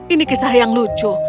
ini kisah yang lucu